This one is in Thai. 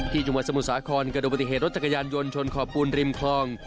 จังหวัดสมุทรสาครเกิดดูปฏิเหตุรถจักรยานยนต์ชนขอบปูนริมคลอง